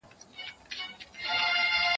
زه هره ورځ سبزېجات تياروم!